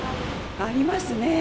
ありますね。